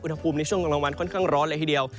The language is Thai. อุณหภูมิในช่วงกลางวันค่อนข้างร้อนเลยทีเดียว